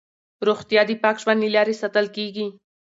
روغتیا د پاک ژوند له لارې ساتل کېږي.